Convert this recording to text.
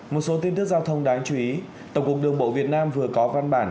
một số tin tức giao thông đáng chú ý tổng cục đường bộ việt nam vừa có văn bản